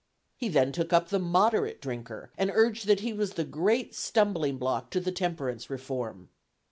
He then took up the "moderate drinker," and urged that he was the great stumbling block to the temperance reform.